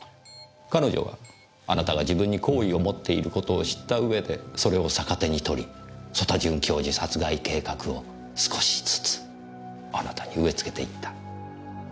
彼女はあなたが自分に好意を持っていることを知ったうえでそれを逆手に取り曽田准教授殺害計画を少しずつあなたに植えつけていった。